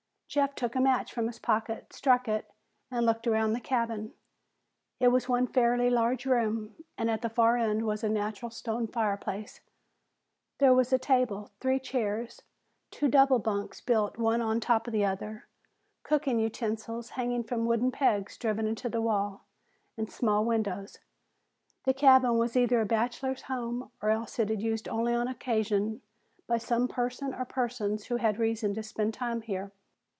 Jeff took a match from his pocket, struck it, and looked around the cabin. It was one fairly large room, and at the far end was a natural stone fireplace. There was a table, three chairs, two double bunks built one on top of the other, cooking utensils hanging from wooden pegs driven into the wall, and small windows. The cabin was either a bachelor's home or else it was used only on occasion by some person or persons who had reason to spend time here.